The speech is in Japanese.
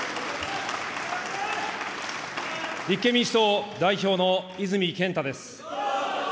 立憲民主党代表の泉健太です。